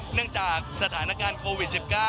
เนื่องจากสถานการณ์โควิด๑๙